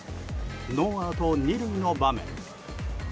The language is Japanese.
ノーアウト２塁の場面。